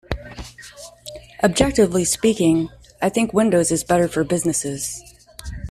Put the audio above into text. Objectively speaking, I think Windows is better for businesses.